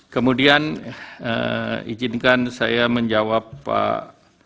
kemudian izinkan saya menjawab pak